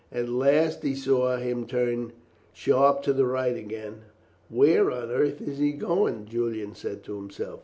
At last he saw him turn sharp to the right again. "Where on earth is he going?" Julian said to himself.